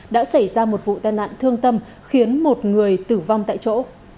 đã xảy ra một vụ đàn nạn thương tâm khiến một người tử vong tại chỗ